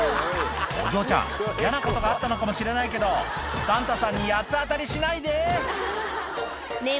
お嬢ちゃん嫌なことがあったのかもしれないけどサンタさんに八つ当たりしないでねぇ